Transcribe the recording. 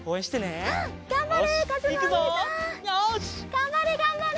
がんばれがんばれ！